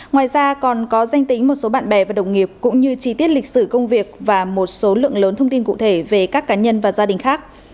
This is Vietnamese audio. ngoài ra còn có danh tính một số bạn bè và đồng nghiệp cũng như chi tiết lịch sử công việc và một số lượng lớn thông tin cụ thể về các cá nhân và gia đình khác